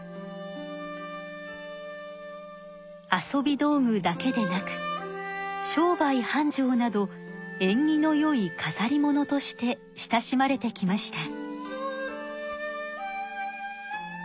遊び道具だけでなく商売はんじょうなどえんぎのよいかざりものとして親しまれてきました。